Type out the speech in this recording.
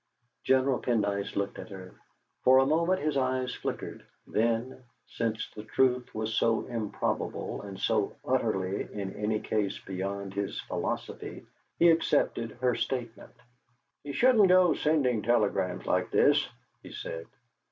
General Pendyce looked at her; for a moment his eyes flickered, then, since the truth was so improbable and so utterly in any case beyond his philosophy, he accepted her statement. "He shouldn't go sending telegrams like this," he said.